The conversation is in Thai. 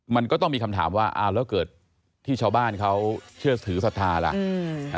มันก็ต้องมีคำถามว่าอ้าวแล้วเกิดที่ชาวบ้านเขาเชื่อถือศรัทธาล่ะ